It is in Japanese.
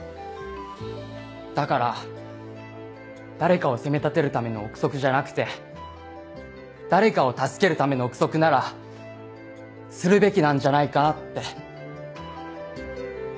だから誰かを責め立てるための臆測じゃなくて誰かを助けるための臆測ならするべきなんじゃないかって。